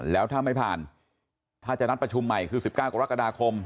แล้วถ้าไม่ผ่านถ้าจะนัดประชุมใหม่คือ๑๙กรกฎาคม